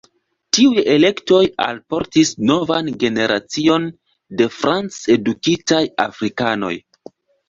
Tiuj elektoj alportis novan generacion de franc-edukitaj afrikanoj.